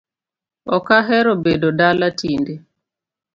Ok ahero bedo dala tinde